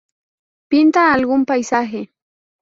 Pinta algún paisaje.